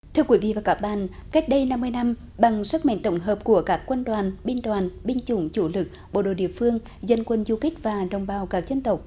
thưa quý vị và các bạn cách đây năm mươi năm bằng sức mạnh tổng hợp của các quân đoàn binh đoàn binh chủng chủ lực bộ đội địa phương dân quân du kích và đồng bào các dân tộc